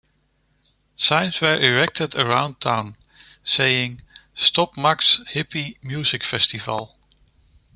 Signs were erected around town, saying, Stop Max's Hippie Music Festival.